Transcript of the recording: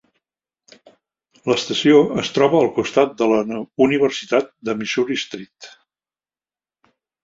L'estació es troba al costat de la Universitat de Missouri-St.